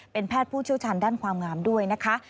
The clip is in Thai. เป็นแพทย์ผู้เชี่ยวชาญด้านความงามด้วยนะคะ